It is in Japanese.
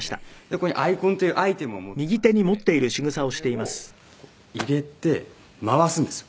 ここに眼魂というアイテムを持っていましてこれを入れて回すんですよ。